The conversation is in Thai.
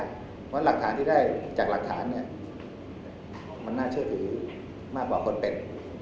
เพราะหลักฐานที่ได้จากหลักฐานเนี่ยมันน่าเชื่อถือมากกว่าคนเป็น